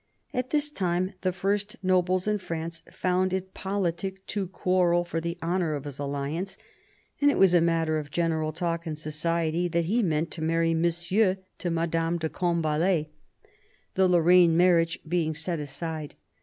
At this time the first nobles in France found it politic to quarrel for the honour of his alliance, and it was matter of general talk in society that he meant to marry Monsieur to Madame de Combalet, the Lorraine THE CARDINAL 253 marriage being set aside.